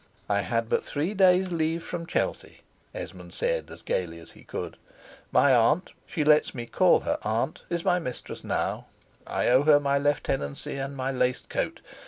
"I had but three days' leave from Chelsey," Esmond said, as gayly as he could. "My aunt she lets me call her aunt is my mistress now! I owe her my lieutenancy and my laced coat.